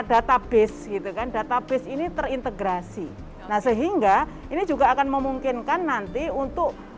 database gitu kan database ini terintegrasi nah sehingga ini juga akan memungkinkan nanti untuk